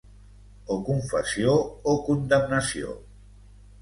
O confessió o condemnació.